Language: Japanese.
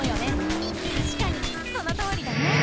たしかにそのとおりだね！